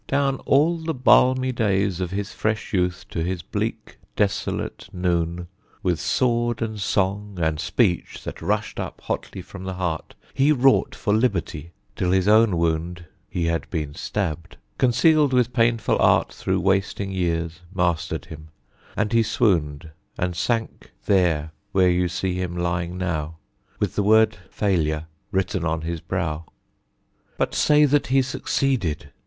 Down all the balmy days of his fresh youth To his bleak, desolate noon, with sword and song, And speech that rushed up hotly from the heart, He wrought for liberty, till his own wound (He had been stabbed), concealed with painful art Through wasting years, mastered him, and he swooned, And sank there where you see him lying now With the word "Failure" written on his brow. But say that he succeeded.